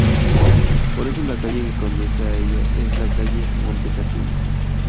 Por eso la calle que conduce a ella es la calle Montecassino.